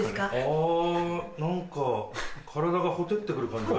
あ何か体が火照ってくる感じが。